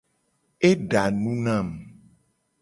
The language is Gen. Eda nu nam.